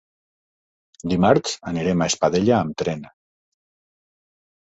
Dimarts anirem a Espadella amb tren.